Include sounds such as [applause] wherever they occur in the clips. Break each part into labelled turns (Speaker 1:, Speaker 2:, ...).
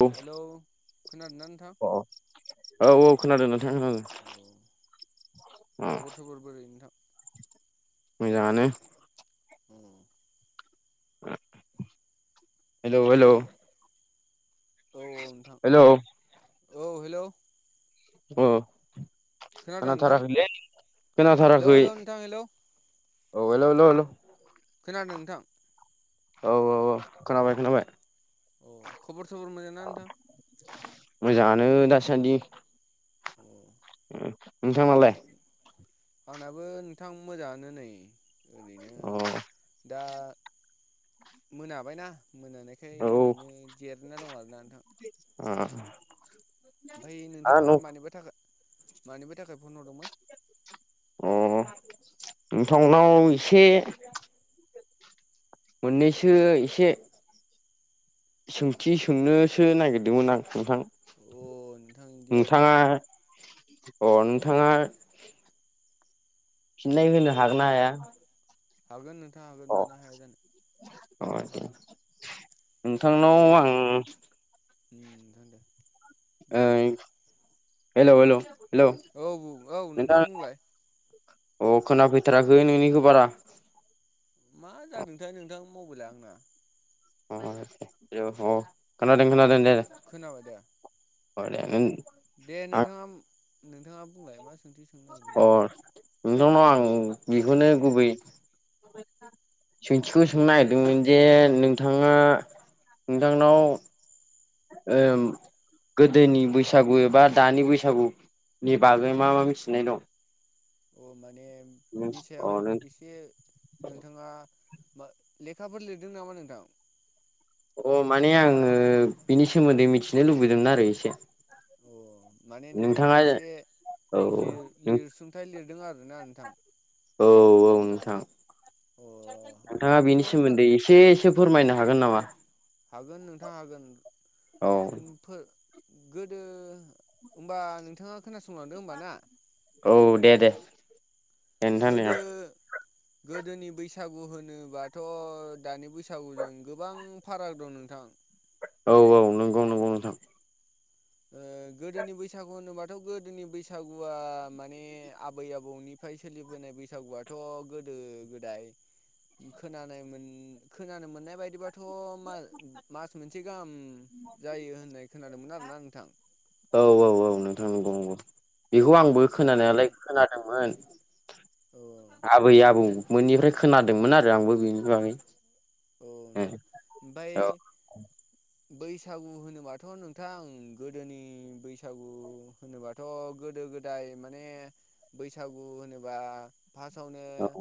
Speaker 1: अ
Speaker 2: हेल' खोनादों ना नोंथां?
Speaker 1: औ औ खोनादों नोंथां
Speaker 2: अ
Speaker 1: ओ।
Speaker 2: खबर सबर बोरै नोंथां
Speaker 1: मोजाङानो।
Speaker 2: [unintelligible]
Speaker 1: हेल' हेल'।
Speaker 2: ओमफाय औ औ नोंथां औ हेल'।
Speaker 1: अ।
Speaker 2: नोंथां
Speaker 1: खोनथाराखैलै
Speaker 2: हेलौ
Speaker 1: खोनथाराखै।
Speaker 2: हेलौ नोंथां हेलौ
Speaker 1: औे हेल हेल'।
Speaker 2: खोनादों नोंथां?
Speaker 1: औ औ खोनाबाय खोनाबाय।
Speaker 2: अ खबर सबर मोजां ना नोंथां?
Speaker 1: मोजाङानो दासान्दि।
Speaker 2: अ
Speaker 1: नोंथां नालाय?
Speaker 2: आंनाबो नोंथां मोजाङानो नै ओरैनो
Speaker 1: अ
Speaker 2: दा मोनाबायना मोनानायखाय
Speaker 1: औ
Speaker 2: ओरैनो जिरायना दं आरोना नोंथां।
Speaker 1: [inaudible]
Speaker 2: ओमफ्राय नोंथाङा
Speaker 1: न
Speaker 2: मानिबा थाखाय मानिबा थाखाय फन हरदोंमोन?
Speaker 1: अ नोंथांनाव एसे मोननैसो इसे सोंथि सोंनोसो नागिरदोंमोन आं नोंथां।
Speaker 2: अ नोंथां इदि आरोना
Speaker 1: नोंथाङा अ नोंथाङा फिननाय होनो
Speaker 2: औ
Speaker 1: हागोना हाया?
Speaker 2: हागोन नोंथां
Speaker 1: अ
Speaker 2: हागोन मानो हाया जानो।
Speaker 1: अ दे
Speaker 2: दे
Speaker 1: नोंथांनाव आं
Speaker 2: उम नोंथां दे। बुंलाय
Speaker 1: ओं हेल' हेल'।
Speaker 2: औ बुं, औ नोंथां बुंलाय।
Speaker 1: अ खोनाफैथाराखै नोंनिखौ बारा।
Speaker 2: मा जादोंथाय नोंथां मबाइला आंना।
Speaker 1: अ अ हेलौ अ खोनादों खोनादों दे
Speaker 2: खोनाबाय दे
Speaker 1: अ दे ओं
Speaker 2: दे नोंथाङा नोंथाङा बुंलाय मा सोंथि सोंनो नागिरदोंमोन
Speaker 1: अ नोंथांनाव आं बिखौनो गुबै सोंथिखौ सोंनो नागिरदोंमोन जे नोंथाङा नोंथांनाव ओ
Speaker 2: औ
Speaker 1: गोदोनि बैसागु एबा दानि बैसागुनि बागै मा मा मिथिनाय दं
Speaker 2: अ माने बिनि
Speaker 1: अ
Speaker 2: सायाव
Speaker 1: नों
Speaker 2: एसे नोंथाङा लेखाफोर लिरदों नामा नोंथां?
Speaker 1: अ माने आङो बिनि सोमोन्दै मिथिनो लुबैदोंमोन आरो एसे
Speaker 2: अ माने नोंथाङा एसे
Speaker 1: औ
Speaker 2: लिर लिरसुंथाइ लिरदों आरो मोना नोंथां
Speaker 1: औ औ नोंथां
Speaker 2: अ
Speaker 1: नोंथाङा
Speaker 2: आंथ'
Speaker 1: बेनि
Speaker 2: फोर
Speaker 1: सोमोन्दै एसे एसे फोरमायनो हागोन नामा
Speaker 2: हागोन नोंथां हागोन
Speaker 1: औ
Speaker 2: गोदो होमबा नोंथाङा खोनासंलांदो होमबा ना
Speaker 1: औ दे दे नोंथां दे
Speaker 2: गोदो गोदोनि बैसागु होनोबाथ' दानि बैसागुजों गोबां फाराग दं नोंथां
Speaker 1: औ औ नंगौ नंगौ नोंथां
Speaker 2: ओ
Speaker 1: [inaudible]
Speaker 2: गोदोनि बैसागु होनोबाथ' गोदोनि बैसागुआ माने आबै आबौनिफ्राय सोलिबोनाय बैसागुआथ' गोदो गोदाय खोनानाय मोन खोनानो मोननाय बायदिबाथ' म मास मोनसे गाहाम जायो होननाय खोनादोंमोन आरोना नोंथां
Speaker 1: औ औ औ नोंथां नंगौ नंगौ बेखौ आंबो
Speaker 2: माने
Speaker 1: खोनानायालाय खोनादोंमोन
Speaker 2: औ
Speaker 1: आबै आबौमोननिफ्राय खोनादोंमोन आरो आंबो बेनि बागै
Speaker 2: औ नोंथां
Speaker 1: औ
Speaker 2: ओमफाय बैसागु होनोबाथ' नोंथां गोदोनि बैसागु होनोबाथ' गोदो गोदाय माने बैसागु होनोबा फासआवनो
Speaker 1: औ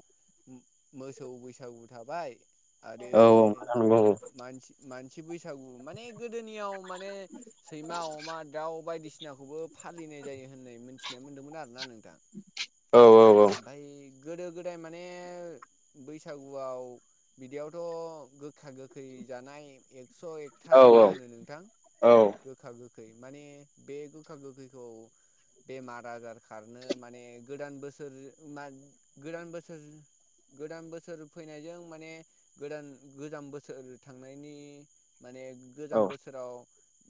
Speaker 2: मोसौ बैसागु थाबाय आरो
Speaker 1: औ नोंथां नंगौ
Speaker 2: मानसि मान सि बैसागु माने गोदोनियाव माने सैमा अमा दाउ बायदिसिनाखौबो फालिनाय जायो होननाय मिथिनाय मोन्दोंमोन आरोना नोंथां
Speaker 1: औ औ औ
Speaker 2: ओमफ्राय गोदो गोदाय माने बैसागुआव बिदियावथ' गोखा गोखै जानाय एक्स एकथा
Speaker 1: औ
Speaker 2: ना मा होनो नोंथां
Speaker 1: औ
Speaker 2: गोखा गोख गोखै माने बे गोखा गोखैखौ बेमार आजार खारनो माने गोदान बोसोर मा गोदान बोसोर गोदान बोसोर फैनायजों माने गोदान गोजाम बोसोर थांनायनि माने
Speaker 1: औ
Speaker 2: गोजाम बोसोराव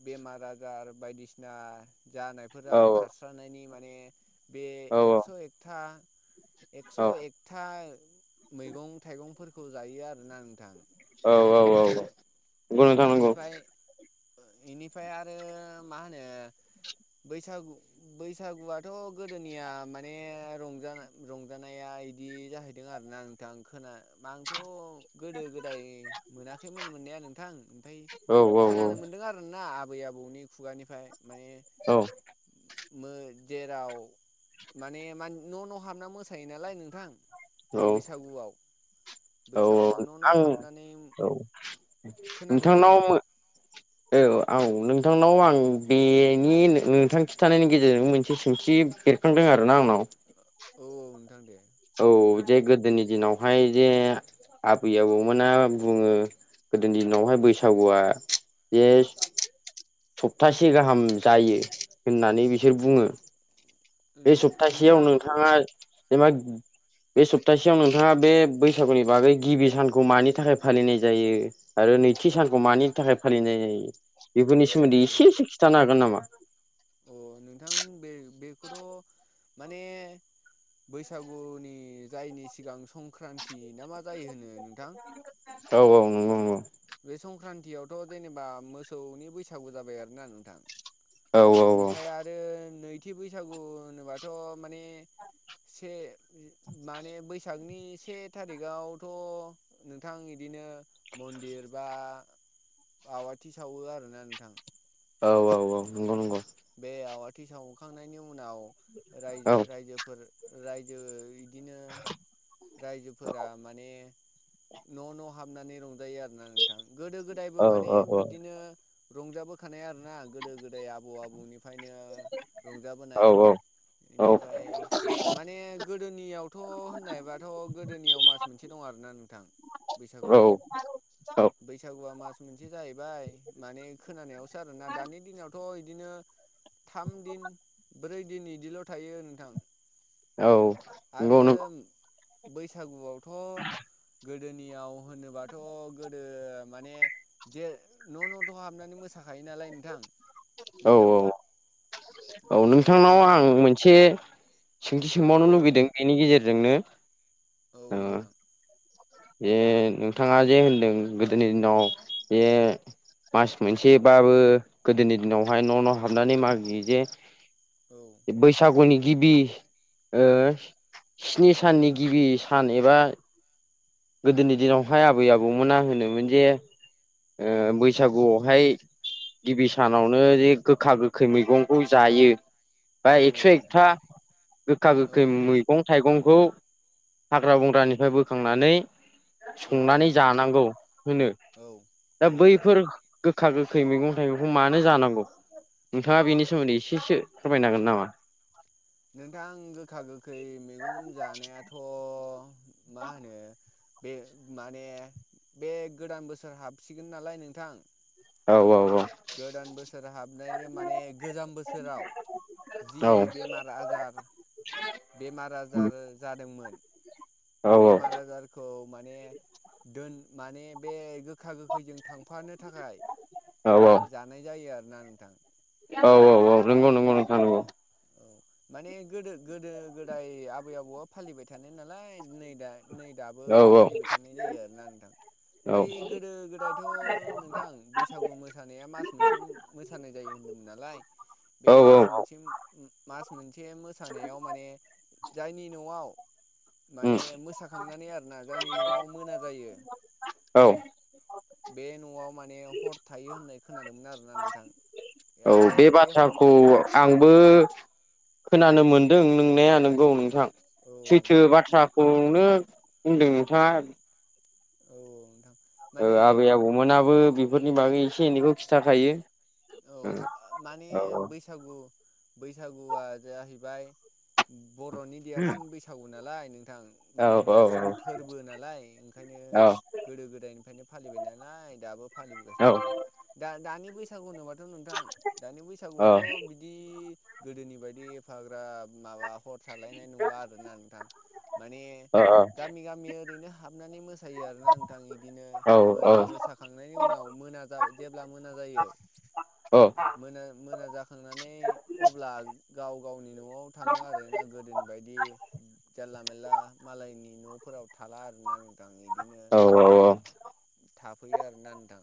Speaker 2: बेमार आजार बायदिसिना जानायफोरा खारस्रानायनि माने बे
Speaker 1: औ
Speaker 2: एक्स' ए कथा एकस'
Speaker 1: औ
Speaker 2: एकथा मैगं थाइगं थायगंफोर खौ जायो आरोना नोंथां
Speaker 1: औ औ औ औ नंगौ नोंथां नंगौ
Speaker 2: ओ एनिफाय आरो मा होनो बैसागु बैसागुआथ' गोदोनिया माने रंजानाय रंजानाया इदि जाहैदों आरोना नोंथां खोना आंथ' गोदो गोदाय मोनाखैमोन मोननाया नोंथां ओमफाय
Speaker 1: औ औ
Speaker 2: खोनानो मोनदों आरो ना ना आबै आबौनि खुगानिफाय माने
Speaker 1: औ
Speaker 2: जेराव माने न' न' हाबना मोसायो नालाय नोंथां बैसागुआव
Speaker 1: औ
Speaker 2: बैसागुआव
Speaker 1: औ
Speaker 2: न' न'
Speaker 1: आं
Speaker 2: हाबनानै
Speaker 1: औ
Speaker 2: खोनादों दा
Speaker 1: नोंथांनाव
Speaker 2: नोंथां
Speaker 1: औ औ नोंथांनाव आं बेनि नोंथां खि थानायनि गेजेरजों मोनसे सोंथि बेरखांदों आरोोना आंनाव
Speaker 2: औ औ नोंथां दे
Speaker 1: औ
Speaker 2: सोंनो
Speaker 1: जे
Speaker 2: हागोन
Speaker 1: गोदोनि दिनावहाय जे आबै आबौमोना बुङो गोदोनि दिनावहाय बैसागुआ एस सप्तासे गाहाम जायो होननानै बिसोर बुङो
Speaker 2: ओ
Speaker 1: बे सप्तासेयाव
Speaker 2: नोंथां
Speaker 1: नोंथाङा जेनबा बे सप्तासेयाव नोंथाङा बे बैसागुनि बागै गिबि सानखौ मानि थाखाय फालिनाय जायो आरो नैथि सानखौ मानि थाखाय फालिनाय जायो बेफोरनि
Speaker 2: औ
Speaker 1: सोमोन्दै
Speaker 2: औ
Speaker 1: एसे एसे खिन्थानो हागोन नामा
Speaker 2: अ नोंथां बे बेखौथ माने बैसागुनि जायनि सिगां संक्रान्ति ना मा जायो होनो नोंथां
Speaker 1: औ औ नंगौ नंगौ
Speaker 2: गिबियावथ जेनेबा मोसौनि बैसागु जाबाय आरोना नोंथां
Speaker 1: औ
Speaker 2: बेनिफ्राय आरो नैथि बैसागु होनोबाथ माने से माने बैसागनि से थारिखावथनोंथां इदि बिदिनो मन्दिर बा आवाथि सावो आरोना नोंथां
Speaker 1: औ औ औ नंगौ नंगौ
Speaker 2: बे आवाथि सावखांनायनि उ उनाव
Speaker 1: औ
Speaker 2: रायजोफोर रायजो बिदिनो रायजोफोरा माने न न हाबनानै रंजायो आरोना नोंथां गोदो गोदायबो
Speaker 1: औ
Speaker 2: माने
Speaker 1: औ
Speaker 2: बिदिनो रंजाबोखानाय आरोना गोदो गोदाय आबौ आबौनिफ्रायनो
Speaker 1: औ
Speaker 2: रंजाबोनाय
Speaker 1: औ
Speaker 2: बेनिफ्राय माने गोदोनियावथ होननाय बाथ गोदोनियाव मास मोनसे दं दं आरोना नोंथां बैसागु आ बैसागुआ मास बिदि जाहैबाय माने खोनानायावसो आरोना दानि दिनावथ बिदिनो थाम दिन ब्रै दिन इदिल थायो नोंथां
Speaker 1: औ नंगौ
Speaker 2: आरो
Speaker 1: नो
Speaker 2: बैसागुआवथ गोदोनियाव होनोबाथ गोदो माने जे न न थ हाबनानै मोसाखा खायो नालाय नोंथां
Speaker 1: औ
Speaker 2: बैसागुआव
Speaker 1: औ
Speaker 2: बैसागुआव
Speaker 1: नोंथांनाव
Speaker 2: न' न'
Speaker 1: आं मोनसे सोंथि
Speaker 2: र'
Speaker 1: सोंबावनो लुुबैदों बेनि गेजेर जोंनो
Speaker 2: औ
Speaker 1: ओ
Speaker 2: नोंथां
Speaker 1: जे नोंथाङा जे होनदों गोदोनि दिनाव बे मास मोनसेबा बो गोदोनि दिनावहाय न न हाबनानै मागियो
Speaker 2: औ
Speaker 1: जे बैसागुनि गिबि ओ स्नि साननि गिबि सान एबा गोदोनि दिनावहाय आबै आबौमोन आ होनोमोन जे ओ बैसागुआवहाय गिबि सानावनो बजे गोखा गोखै मैगंखौ जायो बा
Speaker 2: औ
Speaker 1: एकस
Speaker 2: नोंथां
Speaker 1: एकथा गोखा
Speaker 2: औ
Speaker 1: गोखै
Speaker 2: औ
Speaker 1: मैगं थाइगंखौ हाग्रा बंग्रानिफ्राय बोखांनानै
Speaker 2: औ
Speaker 1: संनानै
Speaker 2: नोंथां
Speaker 1: जानांगौ होनो
Speaker 2: औ औ
Speaker 1: दा
Speaker 2: नोंथां
Speaker 1: बैफोर गो गोखा गोखै मैगं थाइगंखौ मानो जानांगौ नोंथाङा बेनि सोमोन्दै एसेसो फोरमायन हांगोन नामा
Speaker 2: नोंथां गोखा गोखै मैगं जानायाथ मा होनो बे माने बे गोदान बोसोर हाबसिगोन नालाय नोंथां
Speaker 1: औ औ औ।
Speaker 2: गोदान बोसोर हाबनायनि माने गोजाम बोसोराव जि
Speaker 1: औ
Speaker 2: बेमार आजार बेमार आजार जादोंमोन
Speaker 1: औ
Speaker 2: बेमार आजारखौ माने दोन माने बे गो गोखा गोखैजों थांफानो थाखाय जानाय जायो आरोना नोंथां।
Speaker 1: औ औ औ नंगौ नंगौ नोंथां नंगौ।
Speaker 2: औ माने गोदो गोदो गोदाय आबै आबौआ फालिबाय थानाय नालाय नै दा नै दाबो
Speaker 1: औ
Speaker 2: फालिबाय थानाय जायो आरोना नोंथां।
Speaker 1: औ
Speaker 2: ओमफ्राय गोदो गोदायथ' नोंथां बैसागु मोसानाया मास मोनसे मोसानाय जायो होनदों। नालाय बे
Speaker 1: औ औ
Speaker 2: मास मोनसे मास मोनसे मोसानायाव माने जायनि न'आव
Speaker 1: उम
Speaker 2: माने मोसाखांनानै आरोना जायनि न'आव मोना जायो
Speaker 1: औ
Speaker 2: बे न'आव माने हर थायो होननाय खोनादोंमोन आरोना नोंथां।
Speaker 1: औ
Speaker 2: आरो
Speaker 1: बे
Speaker 2: हर
Speaker 1: बाथ्राखौ
Speaker 2: थाखां
Speaker 1: आंबो खोनानो मोनदों नोंनाया नंगौ नोंथां
Speaker 2: औ
Speaker 1: सैथो
Speaker 2: नोंथां
Speaker 1: बाथ्राखौ नो बुंदों नोंथां आ।
Speaker 2: औ नोंथां। माने
Speaker 1: आबै आबौमोनाबो बेफोरनि बागै एसे एनैखौ खिन्थाखायो।
Speaker 2: औ माने
Speaker 1: औ
Speaker 2: बैसागु बैसागुआ जाहैबाय बर'नि देरसिन बैसागु नालाय नों नोंथां
Speaker 1: औ
Speaker 2: माने
Speaker 1: औ
Speaker 2: देरसिन
Speaker 1: औ
Speaker 2: फोरबो नालाय ओंखायनो
Speaker 1: औ
Speaker 2: गोदो गोदायनिफ्रायनो फालिबाय नालाय दाबो फालिबोगासिनो
Speaker 1: औ
Speaker 2: दं आरो दा दानि बैसागु बैसागु होनोबाथ' नोंथां दानि
Speaker 1: औ
Speaker 2: बैसागुआथ' बिदि गोदोनि बायदि एफाग्रा माबा हर थालायनाय नंला आरोना नोंथां। माने
Speaker 1: औ
Speaker 2: गामि गामि ओरैनो हाबनानै मोसायो। मोसायो आरोना नोंथां बिदिनो
Speaker 1: औ
Speaker 2: मोसाखांनायनि उनाव मोना जेब्ला मोना जायो
Speaker 1: औ।
Speaker 2: मोना मोना जाखांनानै अब्ला गाव गावनि न'आव थाङो आरो ना गोदोनि बायदि जानला मोनला मालायनि न'फोराव थाला आरोना नोंथां। इदिनो
Speaker 1: औ औ औ।
Speaker 2: थाफैयो आरोना नोंथां।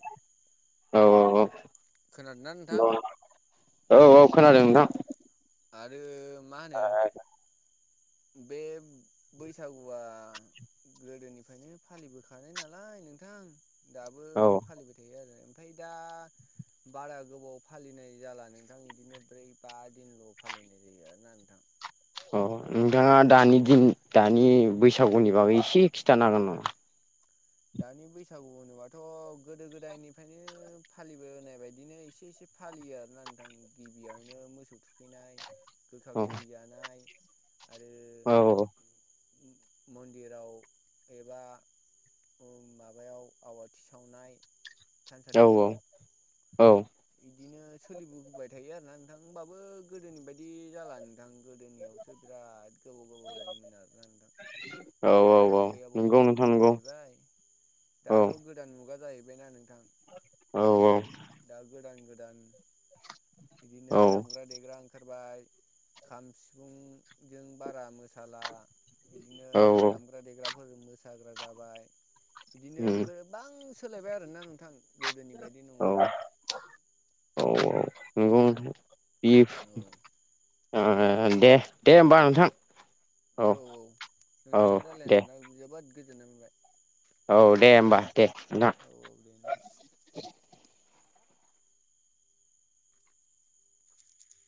Speaker 1: औ
Speaker 2: खोनादोंना नोंथां
Speaker 1: औ औ औ औ खोनादों नोंथां।
Speaker 2: आरो मा होनो बे बैसागुआ गोदोनिफ्रायनो फालिबोखानाय नालाय नोंथां दाबो
Speaker 1: औ
Speaker 2: फालिबाय थायो आरो ओमफ्राय दा बारा गोबाव फालिनाय जाला नोंथां बिदिनो ब्रै बा दिनल' फालिनाय जायो आरोना नोंथां।
Speaker 1: औ नोंथाङा दानि दानि बैसागुनि बागै एसे खिथानो हागोन नामा?
Speaker 2: दानि बैसागु होनोबथ' गोदो गोदायनिफ्रायनो फालिबोनाय बायदिनो एसे एसे फालियो आरो ना नोंथां गिबियावनो मोसौ थुखैनाय गोखा गोखै जानाय आरो
Speaker 1: औ।
Speaker 2: मन्दिराव एबा माबायाव आवाथि सावनाय
Speaker 1: औ
Speaker 2: थानसालिफोराव।
Speaker 1: औ।
Speaker 2: बिदिनो सोलिबोबोबाय थायो आरोना नोंथां होमबाबो गोदोनि बायदि जाला नोंथां गोदोनियावसो बिराद- गोबाव गोबाव जायोमोन आरोना नोंथां
Speaker 1: [unintelligible] औ
Speaker 2: आबै आबौनि
Speaker 1: नंगौ
Speaker 2: दिन
Speaker 1: नोंथां नंगौ
Speaker 2: जाहैबाय
Speaker 1: औ
Speaker 2: दाथ' गोदान मुगा जाहैबायना नोंथां।
Speaker 1: औ औ।
Speaker 2: दा गोदान गोदान बिदिनो
Speaker 1: औ
Speaker 2: दामग्रा देग्रा ओं ओंखारबाय खाम सिफुंजों बारा मोसाला बिदिनो
Speaker 1: औ औ
Speaker 2: दामग्रा देग्राफोर मोसाग्रा जाबाय बिदिनो
Speaker 1: उम
Speaker 2: गोबां सोलायबाय आरोना नोंथां गोदोनि बायदि नंला
Speaker 1: औ औ नंगौ नोंथां
Speaker 2: औ
Speaker 1: [unintelligible] ओ दे दे होमबा नोंथां
Speaker 2: औ औ
Speaker 1: औ
Speaker 2: नोंथांजों रायलायनो
Speaker 1: दे
Speaker 2: मोननानै जोबोद गोजोननाय मोनबाय
Speaker 1: औ दे होमबा दे ना
Speaker 2: औ औ दे नोंथां